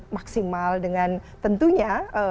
maksimal dengan tentunya